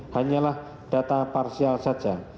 hanyalah data parsial saja